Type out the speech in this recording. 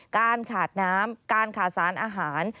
การขาดน้ำการขาดสารอาหาร